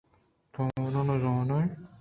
تو من ءَ نہ زان ئے